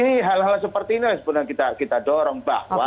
nah hal hal seperti ini sebenarnya kita dorong